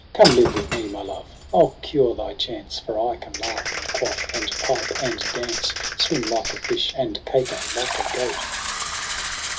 Come live with me, my love ; I'll cure thy chance : For I can laugh and quafl^ and pipe and dance. Swim like a fish, and caper like a goat.'